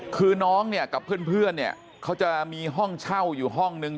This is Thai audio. คือน้องเนี่ยกับเพื่อนเนี่ยเขาจะมีห้องเช่าอยู่ห้องนึง